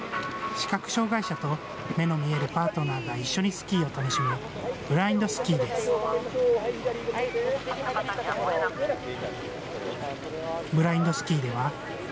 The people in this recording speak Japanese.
視覚障害者と目の見えるパートナーが一緒にスキーを楽しむブラインドスキーです。